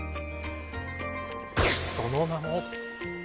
その名も。＃